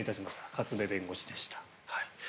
勝部弁護士でした。